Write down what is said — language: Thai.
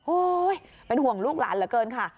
เป็นห่วงลูกหลานเหลือเกินค่ะ